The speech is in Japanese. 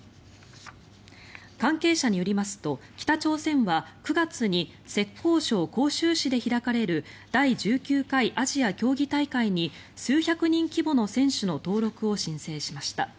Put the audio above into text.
関係者によりますと、北朝鮮は９月に浙江省杭州市で開かれる第１９回アジア競技大会に数百人規模の選手の登録を申請しました。